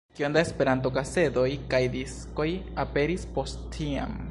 Kiom da Esperanto-kasedoj kaj diskoj aperis post tiam!